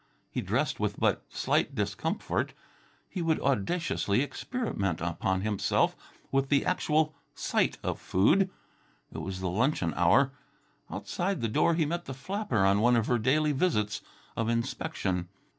He dressed with but slight discomfort. He would audaciously experiment upon himself with the actual sight of food. It was the luncheon hour. Outside the door he met the flapper on one of her daily visits of inspection.